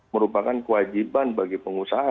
merupakan kewajiban bagi pengusaha